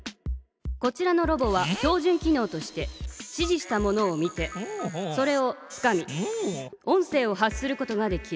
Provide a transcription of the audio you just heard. こちらのロボは標じゅん機のうとして指じしたものを見てそれをつかみ音声を発することができる。